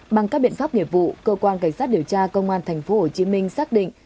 bằng các biện pháp nghiệp vụ cơ quan cảnh sát điều tra công an tp hcm xác định